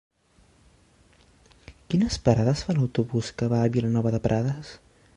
Quines parades fa l'autobús que va a Vilanova de Prades?